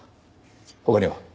他には？